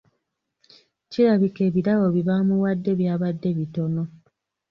Kirabika ebirabo bye baamuwadde byabadde bitono.